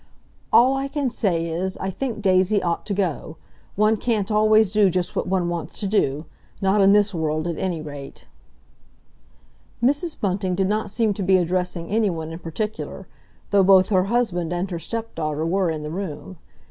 "All I can say is, I think Daisy ought to go. One can't always do just what one wants to do—not in this world, at any rate!" Mrs. Bunting did not seem to be addressing anyone in particular, though both her husband and her stepdaughter were in the room.